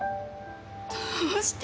どうして？